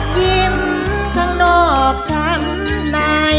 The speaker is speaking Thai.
ยิ้มข้างนอกชั้นใน